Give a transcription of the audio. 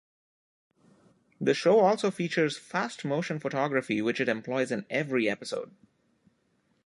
The show also features fast motion photography, which it employs in every episode.